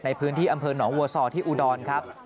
ในพื้นที่อำเภอหนองวัวซอที่อุดรครับ